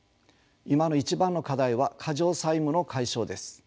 今の一番の課題は過剰債務の解消です。